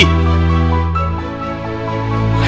sehingga anak saya harus berusaha dengan polisi